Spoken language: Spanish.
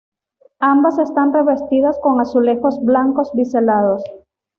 Ambas están revestidas con azulejos blancos biselados.